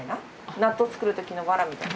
納豆作る時のわらみたいな？